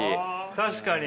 確かに。